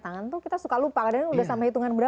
tangan tuh kita suka lupa kadang udah sampai hitungan berapa